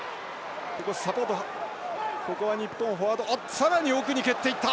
さらに奥に蹴っていった！